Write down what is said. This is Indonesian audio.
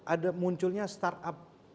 ada munculnya start up